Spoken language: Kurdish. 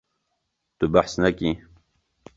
Tu behs nakî.